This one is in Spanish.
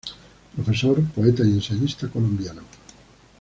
Profesor, poeta y ensayista colombiano.